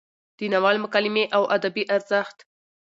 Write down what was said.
د ناول مکالمې او ادبي ارزښت: